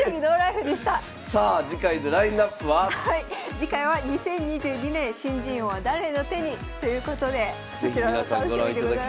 次回は「２０２２年新人王は誰の手に⁉」ということでそちらも楽しみでございます。